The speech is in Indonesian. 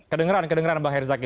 kedengeran kedengeran bang herzaki